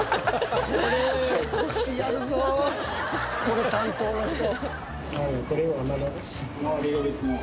これ担当の人。